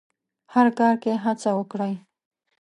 هر کار کې هڅه وکړئ.